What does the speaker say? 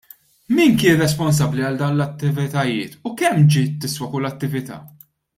Min kien responsabbli għal dawn l-attivitajiet u kemm ġiet tiswa kull attività?